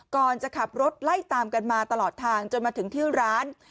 ก่อนจะขับรถไล่ตามกันมาตลอดทางจนมาถึงที่ร้าน